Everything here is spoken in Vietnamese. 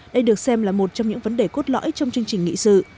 đây được xem là một trong những vấn đề cốt lõi trong chương trình nghị sự